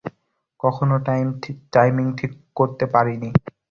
কখনোই টাইমিং ঠিক করতে পারিনি।